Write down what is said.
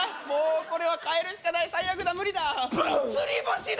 もうこれは帰るしかない最悪だ無理だバン！